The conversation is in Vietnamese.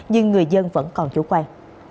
nhưng người dân vẫn còn chủ quan